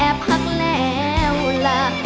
แต่พักแล้วล่ะ